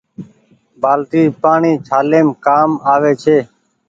بآلٽي پآڻيٚ ڇآليم ڪآم آوي ڇي۔